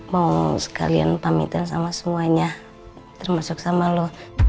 mau sekalian pamitin sama semuanya termasuk sama loh